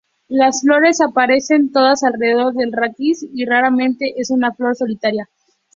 Las flores aparecen todas alrededor del raquis y raramente es una flor solitaria.